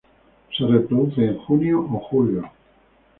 Se reproduce en junio o julio.